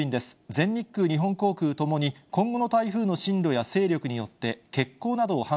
全日空、日本航空ともに、今後の台風の進路や勢力によって、欠航などを判